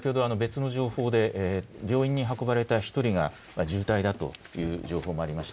先ほど別の情報で病院に運ばれれた１人が重体だという情報がありました。